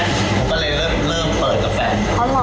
ผมก็เลยเริ่มเปิดกาแฟ